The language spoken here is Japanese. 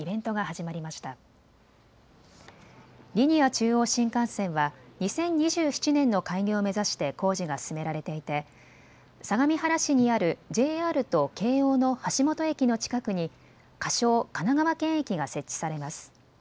中央新幹線は２０２７年の開業を目指して工事が進められていて相模原市にあるＪＲと京王の橋本駅の近くに仮称、神奈川県駅が設置されます。